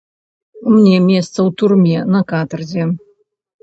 Мне месца ў турме, на катарзе.